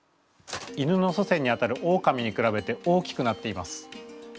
犬の祖先にあたるオオカミにくらべて大きくなっています。